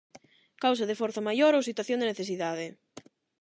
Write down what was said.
Causa de forza maior ou situación de necesidade.